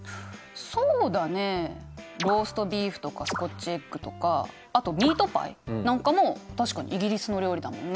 そうだねローストビーフとかスコッチエッグとかあとミートパイなんかも確かにイギリスの料理だもんね。